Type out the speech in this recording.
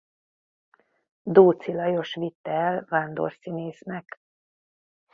Dóczy Lajos vitte el vándorszínésznek.